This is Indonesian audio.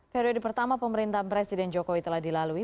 periode pertama pemerintahan presiden jokowi telah dilalui